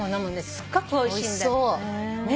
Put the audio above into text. すっごくおいしい。